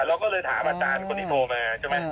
เราก็เลยถามอาจารย์คนที่โทรมาใช่ไหม